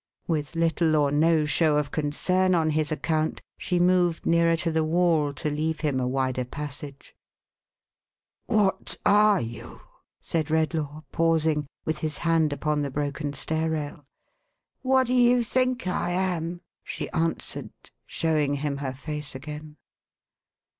With little or no show of concern on his account, she moved nearer to the wall to leave him a wider passage. "What are you?1'1 said Redlaw, pausing, with his hand upon the broken stair rail. " What do you think I amr" she answered, showing him her face again.